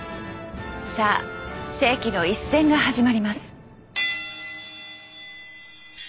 さあ世紀の一戦が始まります！